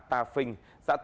tà phình xã tà phình